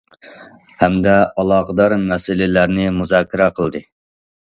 ھەمدە ئالاقىدار مەسىلىلەرنى مۇزاكىرە قىلدى.